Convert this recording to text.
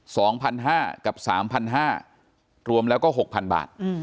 สองพันห้ากับสามพันห้ารวมแล้วก็หกพันบาทอืม